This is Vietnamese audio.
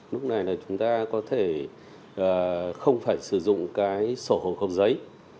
lúc này là chúng ta có thể không phải sử dụng cái sổ hồ khẩu giấy